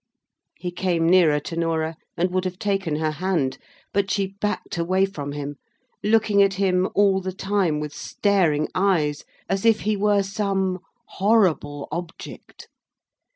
He came nearer to Norah, and would have taken her hand; but she backed away from him; looking at him all the time with staring eyes, as if he were some horrible object.